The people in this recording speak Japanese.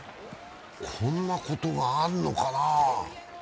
こんなことがあるのかなぁ。